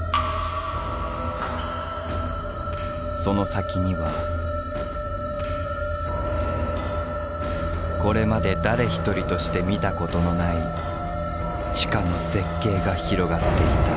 その先にはこれまで誰一人として見たことのない地下の絶景が広がっていた。